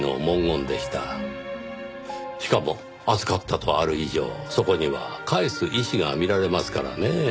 しかも「預かった」とある以上そこには返す意思が見られますからねぇ。